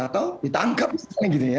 atau ditangkap misalnya gitu ya